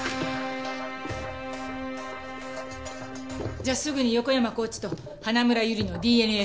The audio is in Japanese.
じゃあすぐに横山コーチと花村友梨のＤＮＡ採取。